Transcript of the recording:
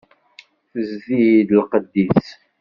Tezdi-d lqedd-is.